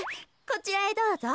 こちらへどうぞ。